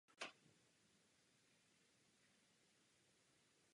Východně od stanice se rozkládá letecká základna Ramat David.